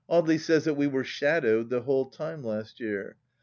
Audely says that we were " shadowed " the whole time last year.